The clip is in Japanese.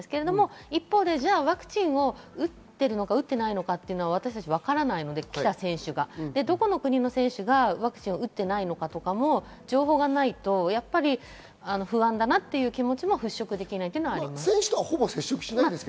一方、ワクチンを打っているのか、いないのか、わからないのでどこの国の選手がワクチンを打っていないのかとかも情報がないと不安だなという気持ちも払拭できないのはあります。